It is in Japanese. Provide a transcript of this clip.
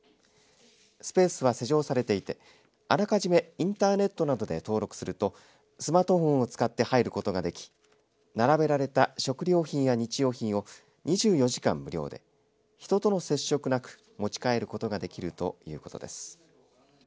スペースは施錠されていてあらかじめインターネットなどで登録するとスマートフォンを使って入ることができ並べられた食料品や日用品を２４時間、無料で人との接触なく持ち帰ることができるということです。